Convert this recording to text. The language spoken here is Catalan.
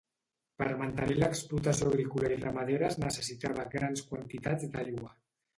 Per mantenir l'explotació agrícola i ramadera es necessitava grans quantitats d'aigua.